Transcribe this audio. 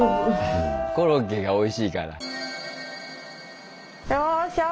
コロッケがおいしいから。